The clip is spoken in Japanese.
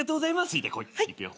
ついてこいいくよ。